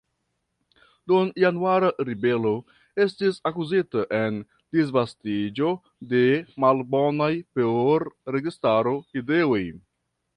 Dum Januara ribelo estis akuzita en disvastiĝo de "malbonaj por registaro" ideoj.